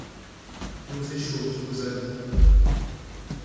روز شگرگزاری